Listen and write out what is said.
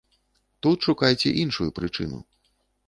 Тут шукайце іншую прычыну.